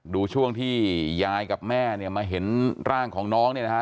ดูช่วงที่ยายกับแม่เนี่ยมาเห็นร่างของน้องเนี่ยนะฮะ